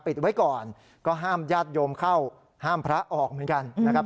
ไว้ก่อนก็ห้ามญาติโยมเข้าห้ามพระออกเหมือนกันนะครับ